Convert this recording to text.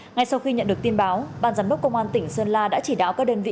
ngay sau khi nhận được tin báo ban giám đốc công an tỉnh sơn la đã chỉ đạo các đơn vị